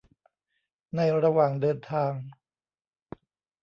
ในระหว่างเดินทาง